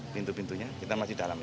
pintu pintunya kita masih dalam